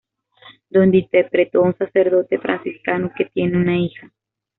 Donde interpretó a un sacerdote franciscano que tiene una hija.